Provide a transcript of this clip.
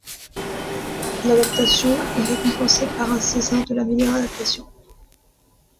L'adaptation est récompensée par un César de la meilleure adaptation.